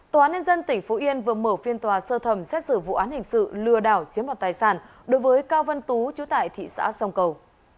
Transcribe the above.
tòa án nhân dân tỉnh phú yên vừa mở phiên tòa sơ thẩm xét xử vụ án hình sự lừa đảo chiếm đoạt tài sản đối với cao văn tú chú tại thị xã sông cầu